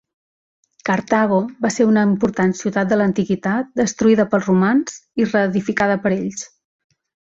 Cartago va ser una important ciutat de l'antiguitat destruïda pels romans i reedificada per ells.